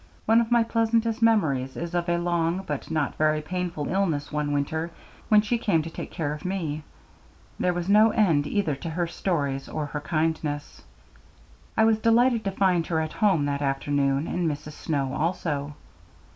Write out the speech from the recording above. One of my pleasantest memories is of a long but not very painful illness one winter, when she came to take care of me. There was no end either to her stories or her kindness. I was delighted to find her at home that afternoon, and Mrs. Snow also.